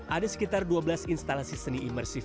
ada sekitar dua belas instalasi seni imersif